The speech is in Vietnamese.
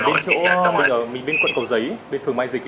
mình ở bên chỗ mình ở bên quận cầu giấy bên phường mai dịch